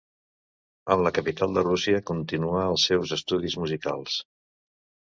En la capital de Rússia continuà els seus estudis musicals.